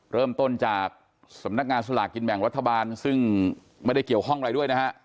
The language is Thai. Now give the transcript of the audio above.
เริ่มต้นจากสำนักงานสลากกินแบ่งรัฐบาลซึ่งไม่ได้เกี่ยวข้องอะไรด้วยนะฮะ